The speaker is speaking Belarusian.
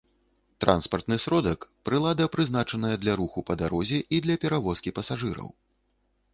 Транспартны сродак — прылада, прызначаная для руху па дарозе i для перавозкi пасажыраў